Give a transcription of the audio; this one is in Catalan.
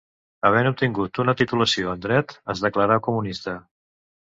Havent obtingut una titulació en Dret, es declarà comunista.